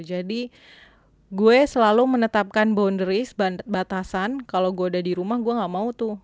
jadi gue selalu menetapkan boundaries batasan kalau gue ada di rumah gue gak mau tuh